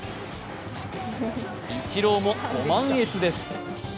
イチローもご満悦です。